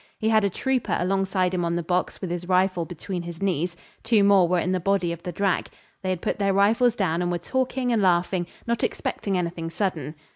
He had a trooper alongside him on the box with his rifle between his knees. Two more were in the body of the drag. They had put their rifles down and were talking and laughing, not expecting anything sudden.